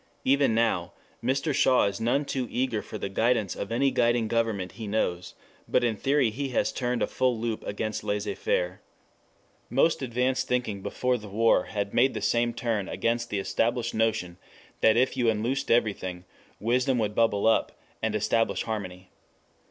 Even now Mr. Shaw is none too eager for the guidance of any guiding government he knows, but in theory he has turned a full loop against laissez faire. Most advanced thinking before the war had made the same turn against the established notion that if you unloosed everything, wisdom would bubble up, and establish harmony.